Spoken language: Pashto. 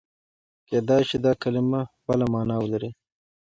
کېدای شي دا کلمه بله مانا ولري.